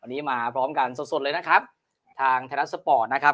วันนี้มาพร้อมกันสดสดเลยนะครับทางไทยรัฐสปอร์ตนะครับ